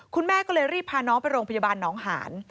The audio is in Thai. คุณแม่ก็เลยรีบพาน้องไปโรงพยาบาลหนองหาน